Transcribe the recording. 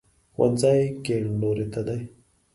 ښوونځی کیڼ لوري ته دی